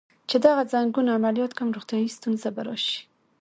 چې دغه ځنګون عملیات کړم، روغتیایی ستونزه به راشي.